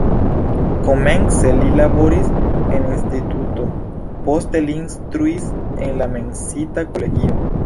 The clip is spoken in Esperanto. Komence li laboris en instituto, poste li instruis en la menciita kolegio.